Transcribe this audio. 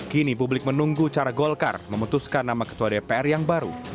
kini publik menunggu cara golkar memutuskan nama ketua dpr yang baru